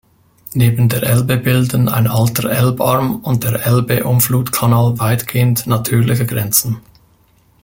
Neben der Elbe bilden ein alter Elbarm und der Elbe-Umflutkanal weitgehend natürliche Grenzen.